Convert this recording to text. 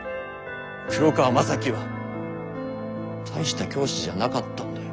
黒川政樹は大した教師じゃなかったんだよ。